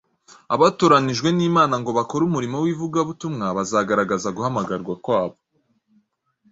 Abatoranyijwe n’Imana ngo bakore umurimo w’ivugabutumwa bazagaragaza guhamagarwa kwabo